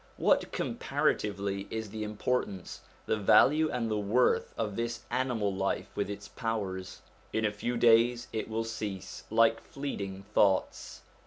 What, comparatively, is the importance, the value, and the worth of this animal life with its powers? In a few days it will cease like fleeting thoughts.